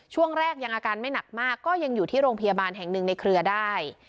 ช่วงแรกยังอาการไม่หนักมากก็ยังอยู่ที่โรงพยาบาลแห่งหนึ่งในเครือได้